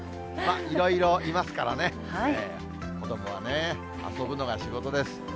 いろいろいますからね、子どもはね、遊ぶのが仕事です。